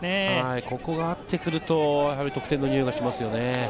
ここが合ってくると、得点のにおいがしますよね。